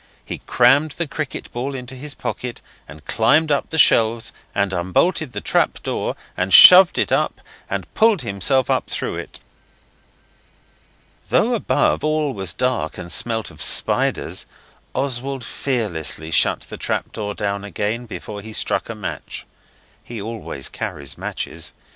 He crammed the cricket ball into his pocket and climbed up the shelves and unbolted the trap door, and shoved it up, and pulled himself up through it. Though above all was dark and smelt of spiders, Oswald fearlessly shut the trap door down again before he struck a match. He always carries matches.